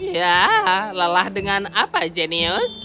ya lelah dengan apa jenius